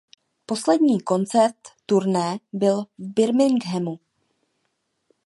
Poslední koncert turné byl v Birminghamu.